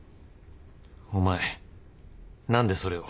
お前何でそれを？